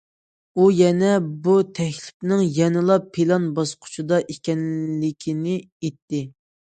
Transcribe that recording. ئۇ يەنە بۇ تەكلىپنىڭ يەنىلا پىلان باسقۇچىدا ئىكەنلىكىنى ئېيتتى.